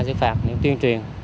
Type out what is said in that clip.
sử phạt những tuyên truyền